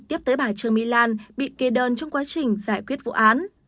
trực tiếp tới bà trương my lan bị kê đơn trong quá trình giải quyết vụ án